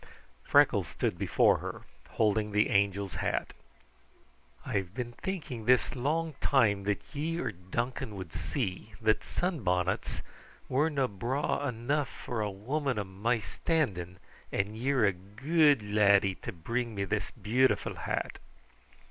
Freckles stood before her, holding the Angel's hat. "I've been thinking this long time that ye or Duncan would see that sunbonnets werena braw enough for a woman of my standing, and ye're a guid laddie to bring me this beautiful hat."